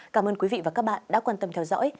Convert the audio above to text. cảm ơn quý vị và các bạn đã quan tâm theo dõi